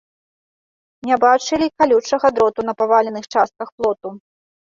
Не бачылі і калючага дроту на паваленых частках плоту.